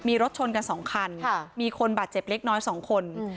มีรถชนกันสองคันมีคนบาดเจ็บเล็กน้อย๒คน